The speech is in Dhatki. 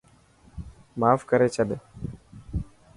ماف ڪري ڇڏ.